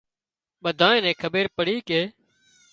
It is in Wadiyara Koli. ٻۮانئين کٻير پڙي ڪي